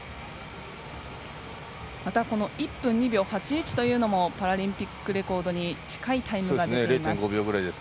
１分２秒８１というのもパラリンピックレコードに近いタイムが出ています。